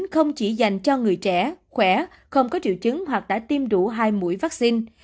không chỉ dành cho người trẻ khỏe không có triệu chứng hoặc đã tiêm đủ hai mũi vaccine